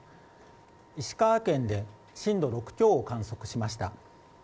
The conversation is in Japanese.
石川県で震度６強を観測しました。